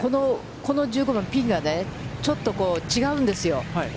この１５番、ピンがちょっと違うんですよ。